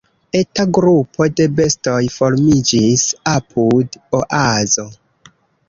Eta grupo de bestoj formiĝis apud Oazo: